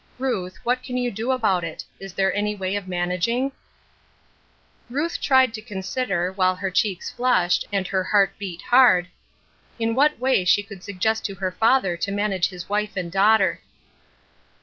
Ruth, what can you do about it ? Is there any way of managing ?" 46 Ruth Ershine's Crosses. Ruth tried to consider, while her cheeks flushed, and her heart beat hard, in what way she could suggest to her father to manage his wife and daughter.